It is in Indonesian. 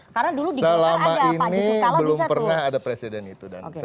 karena selama ini belum pernah ada presiden itu